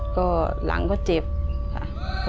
ก็หลังก็เจ็บค่ะ